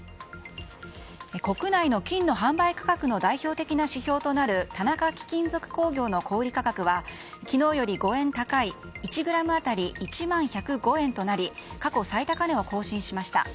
国内の金の販売価格の代表的な指標となる田中貴金属工業の小売価格は昨日より５円高い１ｇ当たり１万１０５円となり過去最高値を更新しました。